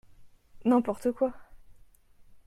N’importe quoi !